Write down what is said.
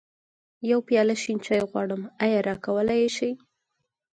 يوه پياله شين چای غواړم، ايا راکولی يې شې؟